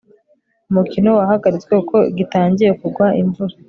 umukino wahagaritswe kuko gitangiye kugwa imvura